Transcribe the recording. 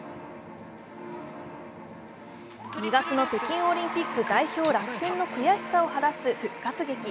２月の北京オリンピック代表落選の悔しさを晴らす復活劇。